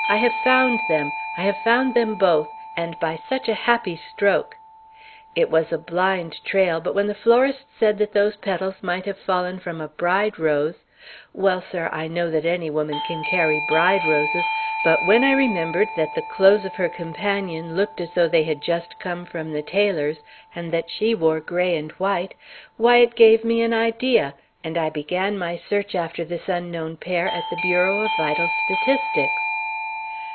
I have found them; I have found them both, and by such a happy stroke! It was a blind trail, but when the florist said that those petals might have fallen from a bride rose well, sir, I know that any woman can carry bride roses, but when I remembered that the clothes of her companion looked as though they had just come from the tailor's, and that she wore gray and white why, it gave me an idea, and I began my search after this unknown pair at the Bureau of Vital Statistics."